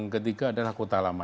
ketiga adalah kota lama